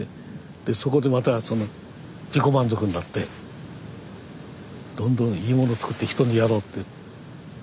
でそこでまた自己満足になってどんどんいいもの作って人にやろうって。